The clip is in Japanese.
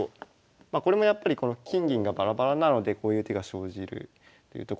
まあこれもやっぱり金銀がバラバラなのでこういう手が生じるっていうところで。